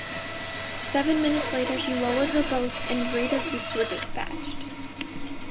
Seven minutes later she lowered her boats and Raider groups were dispatched.